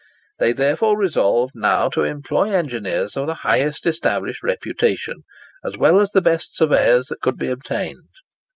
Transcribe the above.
They therefore resolved now to employ engineers of the highest established reputation, as well as the best surveyors that could be obtained.